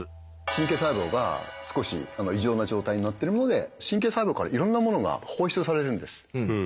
神経細胞が少し異常な状態になってるので神経細胞からいろんな物が放出されるんです。